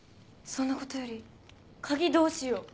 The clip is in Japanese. そんなことより鍵どうしよう。